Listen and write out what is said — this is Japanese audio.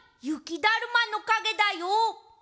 ゆきだるまのかげだよ。